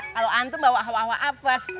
kalau antum bawa hawa hawa apes